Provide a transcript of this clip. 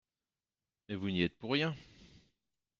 Mais vous n’y êtes pour rien